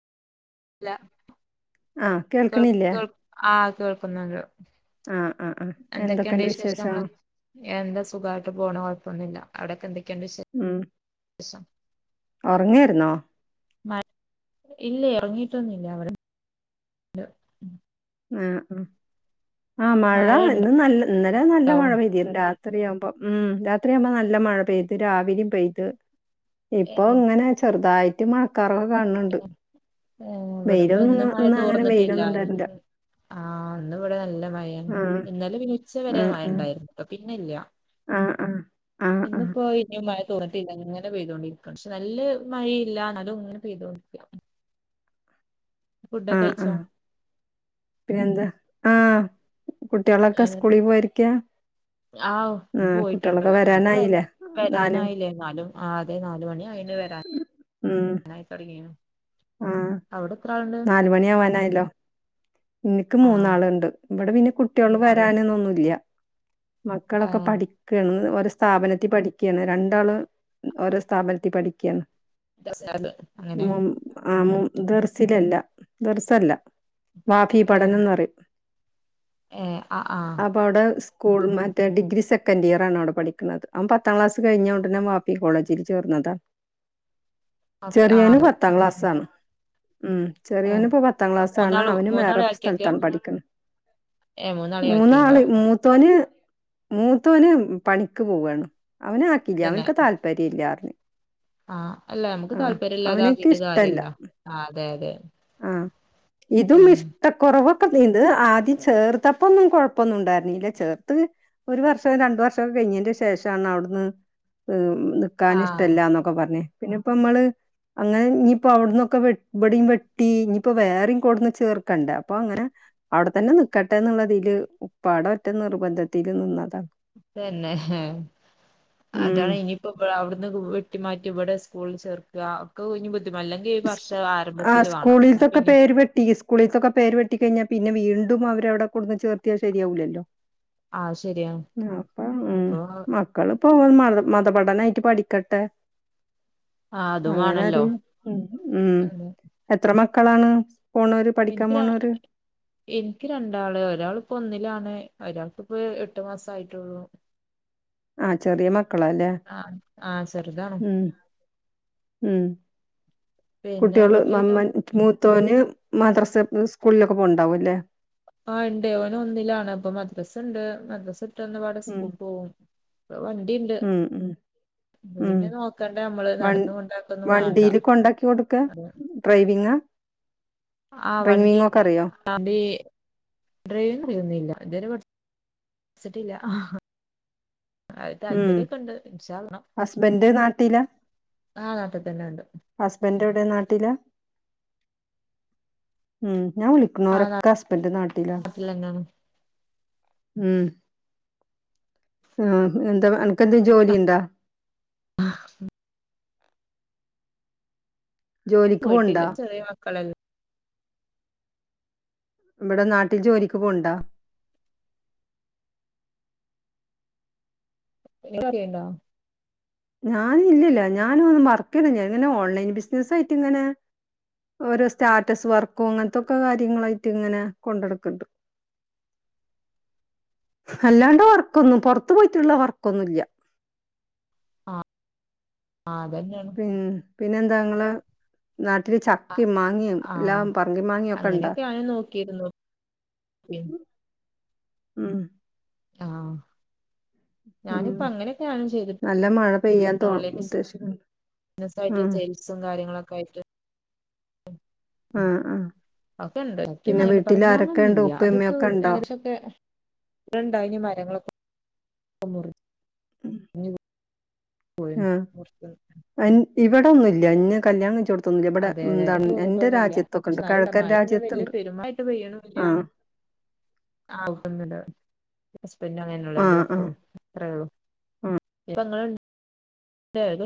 ഇല്ല ആഹ് കേൾ കേൾക്കണില്ലേ കേൾ ആഹ കേൾക്കുന്നുണ്ട് ആഹ് ആഹ് ആഹ് എന്തൊക്കെയുണ്ട് എന്തൊക്കെണ്ട് വിശേഷം വിശേഷങ്ങള് എന്താ സുഖായിട്ട് പോണ് കൊഴപ്പൊന്നുമില്ല അവിടെക്ക എന്തെ ഉം ഒറങ്ങായിരുന്നോ ഇല്ല ഇറങ്ങിട്ടൊന്നുമില്ല അവടെ ആ ആ ആഹ മഴ ഇന്ന് മഴണ്ടോ നല്ല ഇന്നലെ നല്ല മഴ പെയിണ്ടാ രാത്രിയാവുമ്പം ഉം രാത്രിയാവുമ്പോ നല്ല മഴ പെയ്ത് രാവിലെ പെയ്ത് ഏ ഇപ്പോ ഇങ്ങനെ ചെറുതായിട്ട് മഴക്കാറ് കാണുന്നുണ്ട് ഏ ഇവിടെപ്പോ വെയിലൊന്നും ഇന്ന് അങ്ങനെ വെയിലൊന്നുണ്ടയിരുന്നില്ല ആഹ് ഇന്നുവിടെ നല്ല മഴയാണ് ആഹ് ഇന്നലെ പിന്നെ ഉച്ചവരെ ആഹ് മഴണ്ടായിരുന്നു അപ്പം പിന്നില്ല ആഹ് ആഹ് ആഹ് ആഹ് ആഹ് ഇന്ന്പ്പോ ഇനിയും മഴ തോർന്ന്ട്ടില്ല, ഇങ്ങനെ പെയ്തോണ്ടിരിക്കാണ്. പക്ഷെ നല്ല മഴെയില്ല, ന്നാലും, ങ്ങനെ, തോ ചെയ്തോടുക്കാം [inaudible] അ അ പിന്നന്ത ആഹ് കുട്ട്യോളോക്കെ സ്കൂളി പോയ്രിക്ക? ആഹ! പോയിട്ടുണ്ട് ഇനിപ്പ വ വരാനായില്ലേ നാല് വരാനായില്ലേ എന്നാലും ആകെ നാല് മണി ആയി പിന്നെ വരാൻ ഉം [unintelligible] ആഹ് നാലുമണി ആവാനായല്ലോ. എനിക്ക് ആഹ് മൂന്നാളുണ്ട് ഇവിടെ പിന്നെ കുട്ടൊള്‌ മൂന്നാള് വരാനൊന്നുന്നില്ല മക്കളൊക്കെ ആഹ് പഠിക്കാണ് [inaudible] സ്ഥാപനത്തിൽ പഠിക്കുകയാണ് രണ്ടാള് ഓരോ സ്ഥാപനത്തിൽ പഠിക്കുകയാണ്. [unintelligible] അങ്ങനെ ആ മു ദർസിലല്ല ദെർസല്ല വാഫി പടനന്ന്റയും ഏ ആ ആ ഓൾ മറ്റേ ഡിഗ്രി സെക്കൻഡ് ഇയർ ആണ് അവടെ പഠിക്കുന്നത് അവൻ പത്താം ക്ലാസ് കയ്യിനടും വാഫി കോളേജ്ൽ ചേർന്ന് [unintelligible] [unintelligible] ഓക്കെ ആ ചെറിയാന് ആള് പത്താം ക്ലാസ് ഉം ചെറിയോന ഏഹ് ഇപ്പ പത്താം ക്ലാസ്സാണ് മൂന്നാള് അവനും വേറെ മൂന്നാളെ ആക്കിയേക്ക സ്ഥലത്താണ് പഠിക്കുന്നത്. ഏഹ് മൂന്നാളെ മൂന്നാള് ആക്കിണ്ടാവും മൂത്തോന് മൂത്തവന് പണിക്ക് പോവയാണ് അവന ആക്കിയില്ല തന്നെ അവനക്ക് താല്പര്യം ഇല്ല. ആഹ് അല്ല നമുക്ക് താല്പര്യം ഇല്ലാതാക്കിയിട്ട ഇഷ്‌ടല്ല [unintelligible] ല്ല ആഹ ഇതും ഏഹ് ഇഷ്ടക്കുറവ് എന്ത് ആദ്യം ചേർത്തപ്പ ഒന്നും കൊഴപ്പൊന്നും ഉണ്ടായിരുന്നില്ല ചേർത്ത് ഒരു വർഷം രണ്ട വർഷവുംക്ക കഴിഞ്ഞന്റെ ശേഷമാണ് അവിടുന്ന് നിക്കാനൻ ആഹ് ഇഷ്ടമല്ലന്നൊക്കെ പറഞ്ഞേ പിന്നെ ഇപ്പ നമ്മള് അങ്ങനെ ന [unintelligible] പ്പ അവ്ട്ന്നൊക്കെ വെട്ടി ഇബടീം വെട്ടി ഇഞ്ഞിപ്പോ വേറേം കൊടന്ന് ചേർക്കണ്ടേ അപ്പൊ അങ്ങനെ അവിടെത്തന്നെ നി നിക്കട്ടെ ന്നിള്ളതില് ഉപ്പാടെ ഒറ്റ നിർബന്ധത്തില് നിനാ തെന്നെ ഹെ ഉം അതാണെ ഇനിപ്പോ ഇവള അവിട്ന്ന് വെട്ടിമാറ്റി ഇവിടെ സ്കൂളിൽ ചേർ ആ ഒക്ക കുഞ്ഞ് ബുദ്ധി അല്ലെങ്കി ഈ സ്കൂ വർഷം ആരംഭത്തില് വാണം ന്നപിന്നിം കുളിത്തൊക്കെ പേര് വെട്ടി കഴിഞ്ഞാൽ പിന്നെ വീണ്ടും അവരടെ കൊട്ന്ന് ചേർത്തിയ ശരിയവൂലല്ലോ ആ ശരിയാണ് അപ്പ ഉം അപ്പൊ മക്കളും പ്പോൻ മത മതപഠനായിട്ട് പഠിക്കട്ടെ ആ അതും അങ്ങനെ വാണല്ലോ ഒരു ഉം എത്ര മക്കളാണ് പോണോര് പഠിക്കാൻ എനിക്ക് ര, പോണോര് എനിക്ക്, രണ്ടാള്. ഒരാള്പ്പൊ ഒന്നിലാണ്. ഒരാക്ക്പ്പൊ എട്ട് മാസയിട്ടൊള്ളൂ. അ ചെറിയ മക്കളലെ. ആ ചെറുതാണ് ഉം. ഉം. പിന്നെ കുട്ട്യോള്, വീട്ടില് ത മമ്മൻ, മൂത്തോന്, മദ്രസ് സ്കൂള്ലൊക്കെ, പോണ്ടാഅല്ലേ? ആ ണ്ടെ. ഓനൊന്നിലാണ്. അപ്പൊ മദ്രസ്ണ്ട്, മദ്രസ് ന്നപാടെ, ഉം സ്കൂൾക്കോവും. പ്പവണ്ടിണ്ട്. ഉം ഉം ഉം നിന്നെ നോക്കണ്ട ഞമ്മള് വൺ നടന്ന് കൊണ്ടാക്കൊന്നും വാണ്ട അത് ഡ്രൈവിങ്ങ ആ വണ്ടിണ്ട്. അറിയോ വണ്ടീ ഡ്രൈവിങ്ങറിയൊന്നുല്ല. ഇതെരെ, പട് ച്ട്ടില്ല. അഹ ഉം. ഹസ്ബന്റ് നാട്ടില ആഹ് നാട്ടിൽ തന്നെ ഉണ്ട് ഹസ്ബന്റെവ്ടെ? നാട്ടില ഉം ഞാൻ വിളിക്കണോരൊക്കെ ഹസ്ബന്റ് നാട്ടിലാ. നാട്ടിലെന്നെയാണ് ഉം. ഉം എന്താ അനക്കെന്തെ ജോലിണ്ടാ? [inaudible] ജോലിക്ക് പോയിട്ടില്ല പോവ്ണ്ടാ ചെറിയ മക്കളല്ലെ ഇവിടെ നാട്ടിൽ ജോലിക്ക് പോണ്ട [unintelligible] ഞാന ഇല്ലില്ല ഞാനും ഒ വർക്കടങ്ങനെ ഓൺലൈൻ ബിസിന ആയിട്ട് ഇങ്ങനെ ഓരോ സ്റ്റാറ്റസ് വർക്കും അങ്ങനത്തൊക്കെ കാര്യങ്ങളായിട്ട് ഇങ്ങനെ കൊണ്ടടക്കണ്ട് അല്ലാണ്ട് വർക്കൊന്നും പുൊറത്തു പോയിട്ടുള്ള വർക്കൊന്നുമല്ല ആഹ ആ അതന്നെയാണ് പിന്നെന്താങ്കൾ നാട്ടില് ചക്കയും മാങ്ങിയും ആഹ് എല്ലാം പറങ്കി മാങ്ങും ഒക്കെ ഇണ്ടാ ഉ ഉം ആഹ ഉം ഞാനിപ്പ അങ്ങനെയൊക്കെയാണ് നല്ല മഴ പെയ്യാൻ തോ ചെയ്തിട്ട്ോ ഉദ്ദേശിക്ക്ണ് ബിസിനസ്സ ആായിട്ടുള്ള ഉം സെയിൽസും കാര്യങ്ങളൊക്കെ ആയിട്ട് ആഹ് ആഹ് ഒക്കെണ്ട് പിന്നെ സ വീട്ടിലാരൊക്കെണ്ട് പറഞ്ഞന്നൊന്നില്ല ഉപ്പേം അതൊക്കെ ഉമ്മയൊക്കെ ഇണ്ടോ? ഏകദേശംൊക്കെ ഇണ്ടായി മരങ്ങളൊക്കെറി ആഹ അ ഇവിടൊന്നുമല്ല അ കല്യാണം കഴിച്ചു കൊടുത്തൊന്നില്ല ഇവിടെ അതെ അതെ എന്താണ് എന്റെ ചെയ്തിട്ടൊന്നുല്ല പക്ഷെ രാജ്യത്തൊക്കെണ്ട് എന്നാലും കിഴക്കൻ മഴ ഒന്നും വല്യ രാജ്യത്തുണ്ട് ആ ആഹ് ഒപ്പുന്നുണ്ട ഹസ്ബന്ഡ അങ്ങനെയള്ള രണ്ട് ആഹ് ആഹ് മക്കളും അത്രേള്ളൂ [unintelligible]